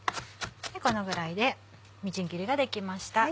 このぐらいでみじん切りができました。